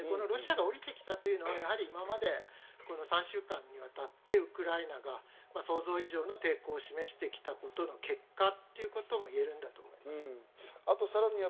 ロシアが降りてきたというのは今まで３週間にわたってウクライナが想像以上の抵抗を示してきたことの結果ということも言えるんだと思います。